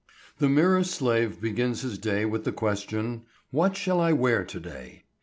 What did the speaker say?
The mirror slave begins his day with the question, "What shall I wear to day?"